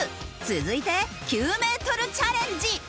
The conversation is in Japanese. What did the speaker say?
続いて９メートルチャレンジ。